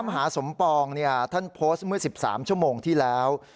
มหาสมปองท่านโพสต์เมื่อ๑๓ชั่วโมงที่แล้ว